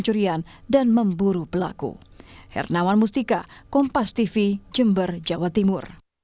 sehingga saat ini terus melakukan pengembangan kasus pencurian dan memburu pelaku